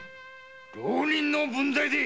浪人の分際で！